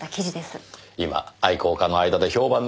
今愛好家の間で評判の生地ですねえ。